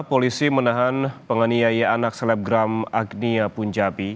polisi menahan penganiaya anak selebgram agnia punjabi